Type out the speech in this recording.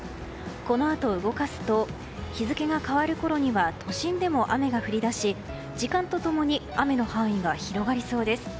このあと、動かすと日付が変わるころには都心でも雨が降り出し時間と共に雨の範囲が広がりそうです。